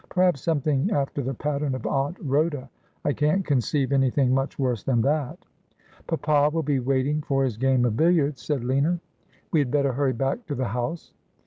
' Perhaps something after the pattern of Aunt Khoda. I can't conceive anything much worse than that.' ' Papa will be waiting for his game of billiards,' said Lina. ' We had better hurry back to the house.'